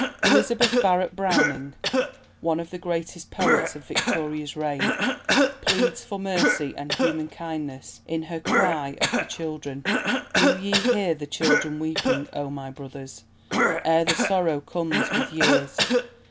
Elizabeth Barrett Browning, one of the greatest poets of Victoria's reign, pleads for mercy and human kindness in her "Cry of the Children." Do ye hear the children weeping, O my brothers, Ere the sorrow comes with years?